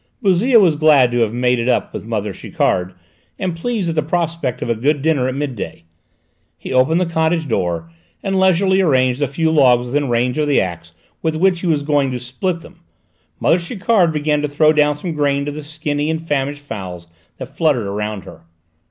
Bouzille was glad to have made it up with mother Chiquard, and pleased at the prospect of a good dinner at midday; he opened the cottage door, and leisurely arranged a few logs within range of the axe with which he was going to split them; mother Chiquard began to throw down some grain to the skinny and famished fowls that fluttered round her.